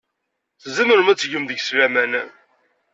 Tzemrem ad tgem deg-s laman.